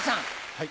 はい。